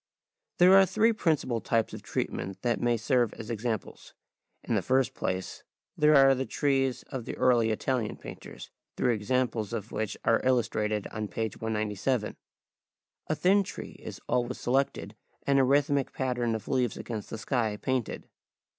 There are three principal types of treatment that may serve as examples. In the first place there are the trees of the early Italian painters, three examples of which are illustrated on page 197 [Transcribers Note: Diagram XXIII]. A thin tree is always selected, and a rhythmic pattern of leaves against the sky painted.